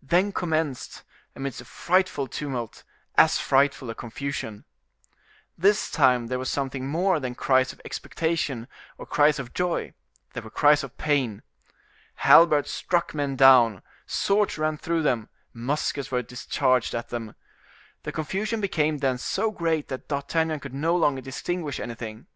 Then commenced, amidst a frightful tumult, as frightful a confusion. This time there was something more than cries of expectation or cries of joy, there were cries of pain. Halberds struck men down, swords ran through them, muskets were discharged at them. The confusion became then so great that D'Artagnan could no longer distinguish anything.